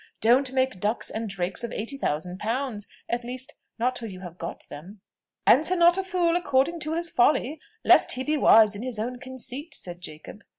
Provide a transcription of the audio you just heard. Don't make ducks and drakes of eighty thousand pounds: at least, not till you have got them." "Answer not a fool according to his folly, least he be wise in his own conceit," said Jacob. Mr.